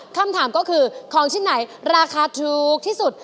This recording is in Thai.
คำถามก็คือของชิ้นไหนราคาถูกที่สุด